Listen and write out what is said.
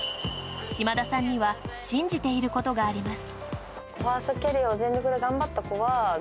島田さんには信じていることがあります。